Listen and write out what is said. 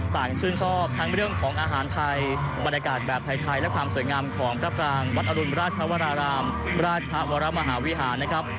ต่างชื่นชอบทั้งเรื่องของอาหารไทยบรรยากาศแบบไทยและความสวยงามของพระพรางวัดอรุณราชวรารามราชวรมหาวิหารนะครับ